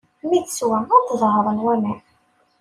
Mi teswa, ad d-ḍehṛen waman.